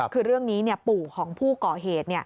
คือเรื่องนี้ปู่ของผู้ก่อเหตุ